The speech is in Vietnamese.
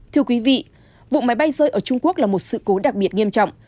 thưa quý vị vụ máy bay rơi ở trung quốc là một sự cố đặc biệt nghiêm trọng